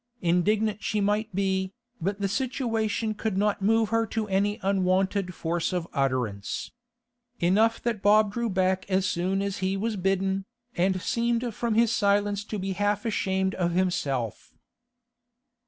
Indignant she might be, but the situation could not move her to any unwonted force of utterance. Enough that Bob drew back as soon as he was bidden, and seemed from his silence to be half ashamed of himself.